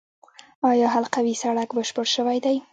آیا حلقوي سړک بشپړ شوی دی؟